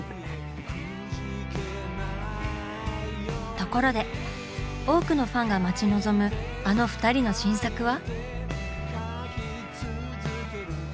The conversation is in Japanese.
ところで多くのファンが待ち望むあの２人の新作は？